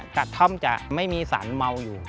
กระท่อมจะไม่มีสารเมาอยู่